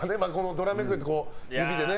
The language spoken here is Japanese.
ドラめくり、指でね。